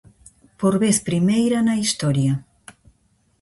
Por vez primeira na historia.